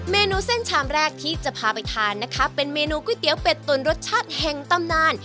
เมนูเส้นชามแรกที่จะพาไปทานนะคะเป็นเมนูก๋วยเตี๋ยวเป็ดตุ๋นรสชาติแห่งตำนาน